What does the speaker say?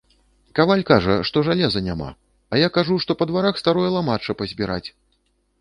Каваль кажа, што жалеза няма, а я кажу, што па дварах старое ламачча пазбіраць.